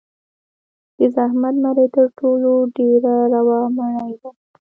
د زحمت مړۍ تر ټولو ډېره روا مړۍ ده.